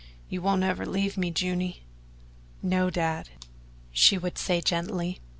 You won't ever leave me, Juny?" "No, Dad," she would say gently.